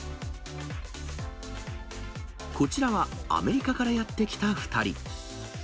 こちらはアメリカからやって来た２人。